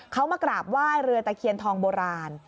เขามากราบไหว้เรือตะเคียนทองโบราณ